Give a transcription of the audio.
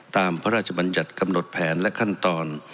พระราชบัญญัติกำหนดแผนและขั้นตอน